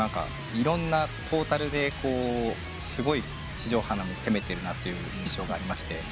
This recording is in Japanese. いろんなトータルですごい地上波なのに攻めてるという印象がありまして。